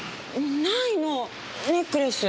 ないのネックレス。